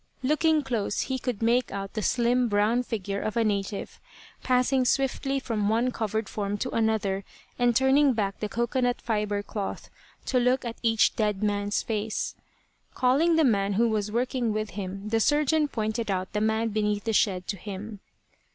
Looking close he could make out the slim, brown figure of a native passing swiftly from one covered form to another, and turning back the cocoanut fibre cloth to look at each dead man's face. Calling the man who was working with him the surgeon pointed out the man beneath the shed to him.